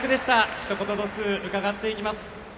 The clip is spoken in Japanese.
ひと言ずつ、伺っていきます。